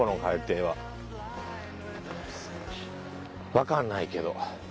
わかんないけど。